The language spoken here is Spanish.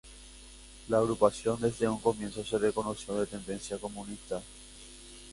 La agrupación desde un comienzo se reconoció de tendencia comunista.